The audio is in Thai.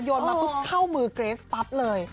มาปุ๊บเข้ามือเกรสปั๊บเลย